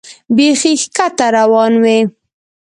بیخي ښکته روان وې.